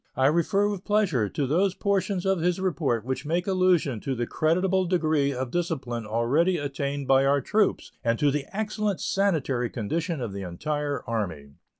I refer with pleasure to those portions of his report which make allusion to the creditable degree of discipline already attained by our troops and to the excellent sanitary condition of the entire Army.